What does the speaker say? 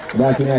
sudah sini aja